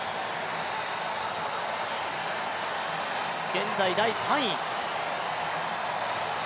現在第３位。